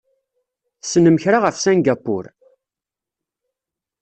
Tessnem kra ɣef Singapur?